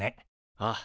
ああ。